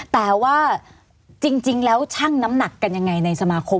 แต่ว่าจริงแล้วช่างน้ำหนักกันยังไงในสมาคม